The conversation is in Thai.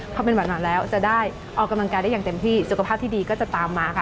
พอเป็นแบบนั้นแล้วจะได้ออกกำลังกายได้อย่างเต็มที่สุขภาพที่ดีก็จะตามมาค่ะ